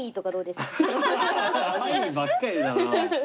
はいばっかりだな。